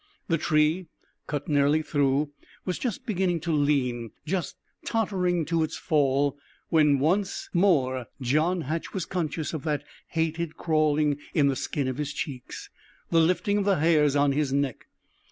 The tree, cut nearly through, was just beginning to lean, just tottering to its fall, when once more John Hatch was conscious of that hated crawling in the skin of his cheeks, the lifting of the hairs on his neck.